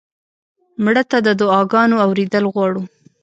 مړه ته د دعا ګانو اورېدل غواړو